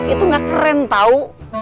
itu gak keren tau